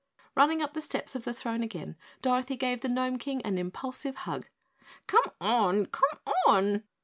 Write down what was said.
Running up the steps of the throne again, Dorothy gave the Gnome King an impulsive hug. "Come on, COME on!"